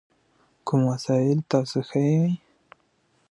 دا وسایل به هر ځای وي.